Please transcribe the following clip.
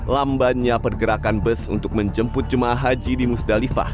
lambannya pergerakan bus untuk menjemput jemaah haji di musdalifah